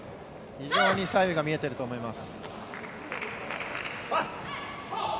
非常に左右が見えてると思います。